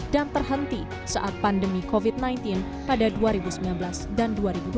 dan terhenti saat pandemi covid sembilan belas pada dua ribu sembilan belas dan dua ribu dua puluh